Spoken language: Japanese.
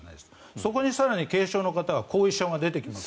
そこに更に軽症の方は後遺症が出てきます。